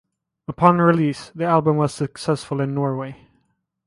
Upon release, the album was successful in Norway.